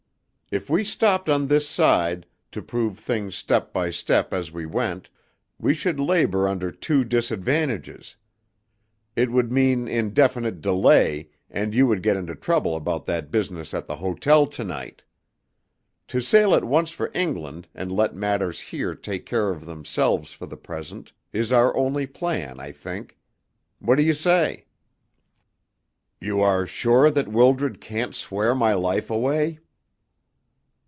If we stopped on this side, to prove things step by step as we went, we should labour under two disadvantages. It would mean indefinite delay, and you would get into trouble about that business at the hotel to night. To sail at once for England, and let matters here take care of themselves for the present, is our only plan, I think. What do you say?" "You are sure that Wildred can't swear my life away?"